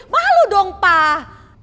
malu dong pak